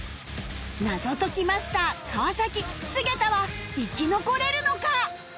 謎解きマスター川菅田は生き残れるのか！？